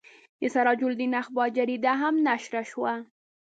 د سراج الاخبار جریده هم نشر شوه.